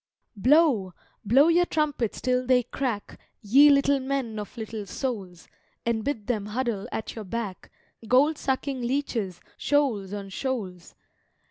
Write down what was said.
"] Blow, blow your trumpets till they crack, Ye little men of little souls! And bid them huddle at your back Gold sucking leeches, shoals on shoals!